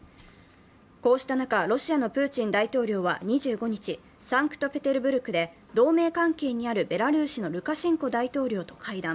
こうした中、ロシアのプーチン大統領は２５日、サンクトペテルブルクで同盟関係にあるベラルーシのルカシェンコ大統領と会談。